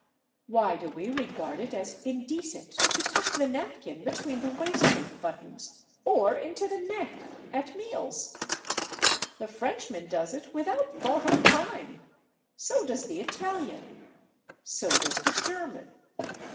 Why do we regard it as indecent to tuck the napkin between the waistcoat buttons—or into the neck!—at meals? The Frenchman does it without thought of crime. So does the Italian. So does the German.